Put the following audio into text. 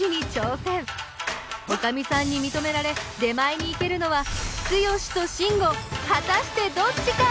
おかみさんにみとめられ出前に行けるのはツヨシとシンゴ果たしてどっちか！？